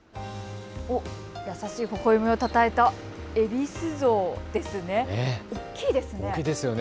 優しいほほえみをたたえたえびす像ですね。